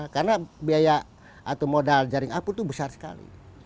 karena biaya atau modal jaring apung itu besar sekali